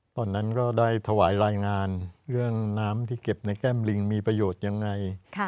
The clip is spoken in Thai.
ตอนนั้นก็ได้ถวายรายงานเรื่องน้ำที่เก็บในแก้มลิงมีประโยชน์ยังไง